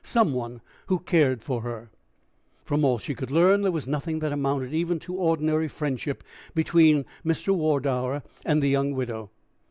some one who cared for her! From all she could learn, there was nothing that amounted even to ordinary friendship between Mr. Wardour and the young widow.